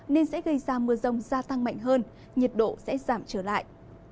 nên sẽ gây ra mưa rông gia tăng mạnh hơn nhiệt độ sẽ giảm trở lại